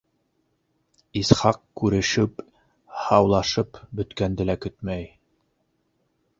Исхаҡ, күрешеп, һаулашып бөткәнде лә көтмәй: